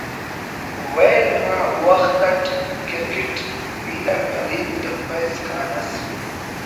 ویل نا وخت it cricket بیرہ غریب تپہ اسکان ئس